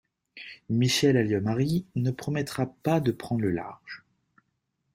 Michèle Alliot-Marie ne promettra pas de prendre le large!